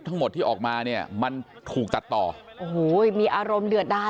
ทั้งหมดที่ออกมาเนี่ยมันถูกตัดต่อโอ้โหมีอารมณ์เดือดดาย